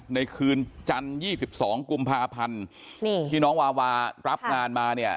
ในคืนจันทร์๒๒กุมภาพันธ์ที่น้องวาวารับงานมาเนี่ย